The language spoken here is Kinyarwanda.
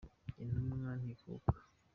Intumwa ntitukwa.